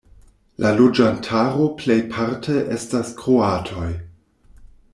La loĝantaro plejparte estas kroatoj.